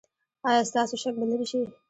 ایا ستاسو شک به لرې شي؟